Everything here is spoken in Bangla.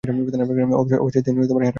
অবশেষে তিনি হেরা গুহায় আশ্রয় নিলেন।